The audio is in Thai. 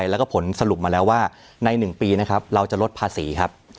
แล้วก็ผลสรุปมาแล้วว่าใน๑ปีนะครับเราจะลดภาษีครับ